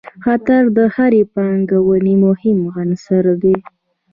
خطر د هرې پانګونې مهم عنصر دی.